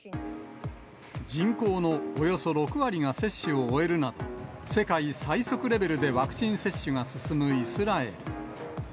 人口のおよそ６割が接種を終えるなど、世界最速レベルでワクチン接種が進むイスラエル。